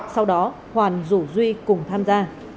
sau đó hoàn rủ duy cùng tham gia